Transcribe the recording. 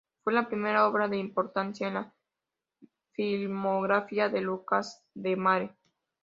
Fue la primera obra de importancia en la filmografía de Lucas Demare.